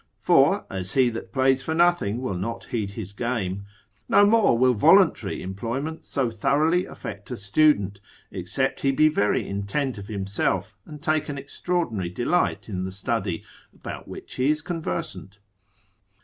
For, as he that plays for nothing will not heed his game; no more will voluntary employment so thoroughly affect a student, except he be very intent of himself, and take an extraordinary delight in the study, about which he is conversant.